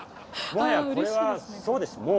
もはやこれはそうです！